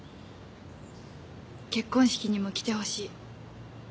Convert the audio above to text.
結婚式にも来てほしい。